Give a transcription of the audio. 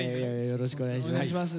よろしくお願いします。